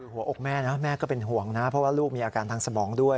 หัวอกแม่นะแม่ก็เป็นห่วงนะเพราะว่าลูกมีอาการทางสมองด้วย